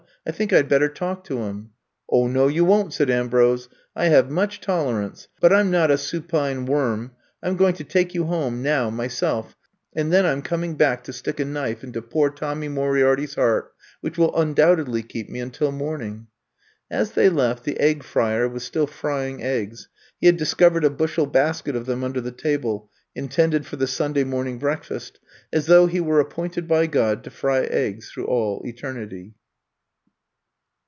I think I 'd bet ter talk to him. ''Oh, no, you won 't, '' said Ambrose. I have much tolerance, but I 'm not a supine 112 I'VE COME TO STAY worm. I 'm going to take you home, now — myself, and then I 'm coming back to stick a knife into poor Tommy Moriarity's heart, which will undoubtedly keep me until morning. '' As they left, the Egg Frier was still fry ing eggs — he had discovered a bushel basket of them under the table, intended for the Sunday morning breakfast — as though he were appointed by God to fry eggs through all eternity.